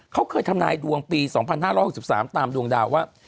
เขาเคยทำนายดวงปี๒๕๖๓ตามดวงดาวว่า